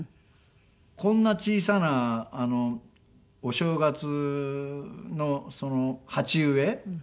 こんな小さなお正月の鉢植え。